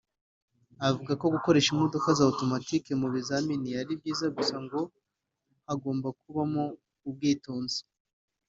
avuga ko gukoresha imodoka za automatic mu bizamni ari byiza gusa ngo hagomba kubamo ubwitonzi